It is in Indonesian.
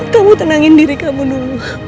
kamu tenangin diri kamu dulu